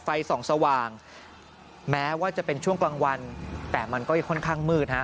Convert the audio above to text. ไฟส่องสว่างแม้ว่าจะเป็นช่วงกลางวันแต่มันก็ยังค่อนข้างมืดฮะ